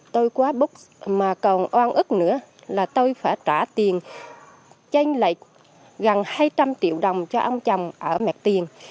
tôi quá bút mà còn oan ức nữa là tôi phải trả tiền tranh lệch gần hai trăm linh triệu đồng cho ông chồng ở mẹt tiền